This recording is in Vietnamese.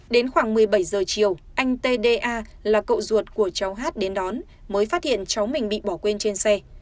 đến khoảng một mươi bảy giờ chiều anh t d a là cậu ruột của cháu hát đến đón mới phát hiện cháu mình bị bỏ quên trên xe